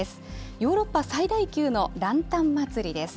ヨーロッパ最大級のランタン祭りです。